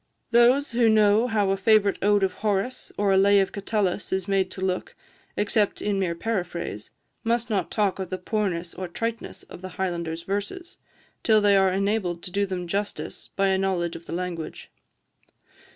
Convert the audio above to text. Those who know how a favourite ode of Horace, or a lay of Catullus, is made to look, except in mere paraphrase, must not talk of the poorness or triteness of the Highlander's verses, till they are enabled to do them justice by a knowledge of the language.